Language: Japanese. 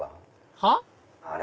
はっ？